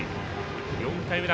４回の裏